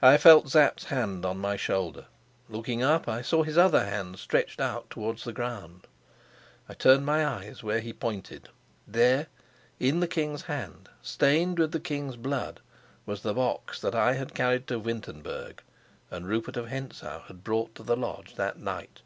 I felt Sapt's hand on my shoulder. Looking up, I saw his other hand stretched out towards the ground. I turned my eyes where he pointed. There, in the king's hand, stained with the king'sblood, was the box that I had carried to Wintenberg and Rupert of Hentzau had brought to the lodge that night.